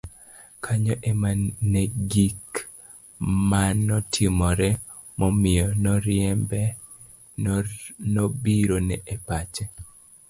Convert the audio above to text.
kanyo ema ne gik manotimore momiyo noriembe nobirone e pache